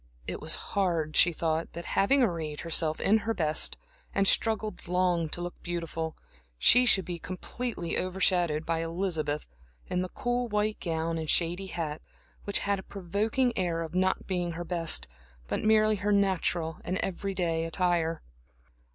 It was hard, she thought, that, having arrayed herself in her best, and struggled long to look beautiful, she should be completely over shadowed by Elizabeth in the cool white gown and shady hat, which had a provoking air of not being her best, but merely her natural and everyday attire.